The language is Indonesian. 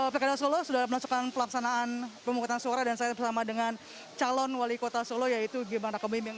pekada solo sudah melaksanakan pelaksanaan pemukutan suara dan saya bersama dengan calon wali kota solo yaitu gibran raka bimbing